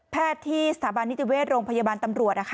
ที่สถาบันนิติเวชโรงพยาบาลตำรวจ